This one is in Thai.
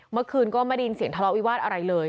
เมื่อคืนก็ไม่ได้ยินเสียงทะเลาะวิวาสอะไรเลย